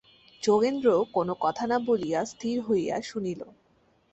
যোগেন্দ্র কোনো কথা না বলিয়া স্থির হইয়া শুনিল।